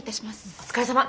お疲れさま。